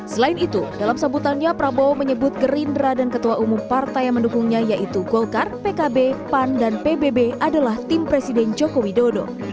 selain itu dalam sambutannya prabowo menyebut gerindra dan ketua umum partai yang mendukungnya yaitu golkar pkb pan dan pbb adalah tim presiden joko widodo